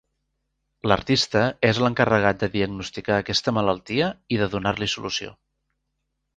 L'artista és l'encarregat de diagnosticar aquesta malaltia i de donar-li solució.